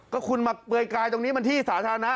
ก็คุณมาเปลือยกายตรงนี้มันที่สาธารณะ